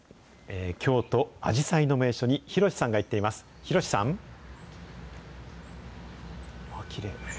京都、アジサイの名所に廣さんが行っています。